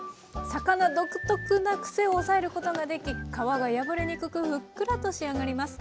魚独特なくせを抑えることができ皮が破れにくくふっくらと仕上がります。